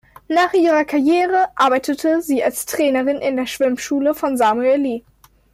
Nach ihrer Karriere arbeitete sie als Trainerin in der Schwimmschule von Samuel Lee.